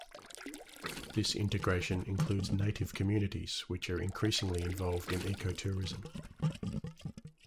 This integration includes native communities, which are increasingly involved in ecotourism.